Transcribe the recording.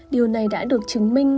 điều này đã được chứng minh